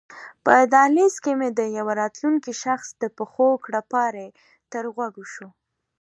په دهلېز کې مې د یوه راتلونکي شخص د پښو کړپهاری تر غوږو شو.